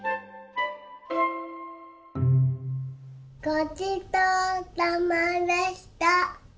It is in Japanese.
ごちそうさまでした！